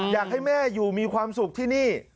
อยากให้แม่อยู่มีความสุขที่นี่